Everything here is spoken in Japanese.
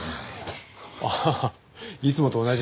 ああいつもと同じですよ。